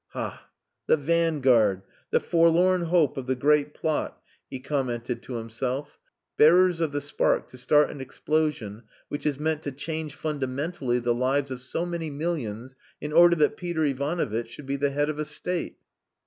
"Ha! The vanguard the forlorn hope of the great plot," he commented to himself. "Bearers of the spark to start an explosion which is meant to change fundamentally the lives of so many millions in order that Peter Ivanovitch should be the head of a State."